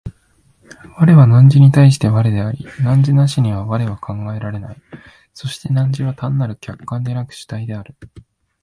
我は汝に対して我であり、汝なしには我は考えられない、そして汝は単なる客観でなく主体である。